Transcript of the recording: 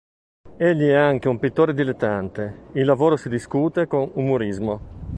Egli è anche un pittore dilettante, il lavoro si discute con umorismo.